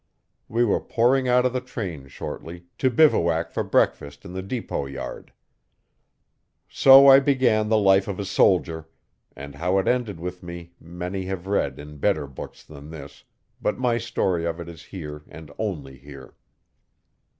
We were pouring out of the train shortly, to bivouac for breakfast in the depot yard. So I began the life of a soldier, and how it ended with me many have read in better books than this, but my story of it is here and only here.